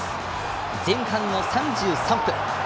前半の３３分。